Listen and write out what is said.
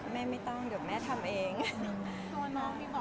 แม่ไม่ต้องเดี๋ยวแม่ทำเองน้องนี่บอกเองไหมคะว่าคุณแม่ค่ะอยากทำ